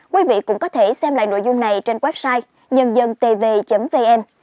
quý vị cũng có thể xem lại nội dung này trên website nhân dân tv vn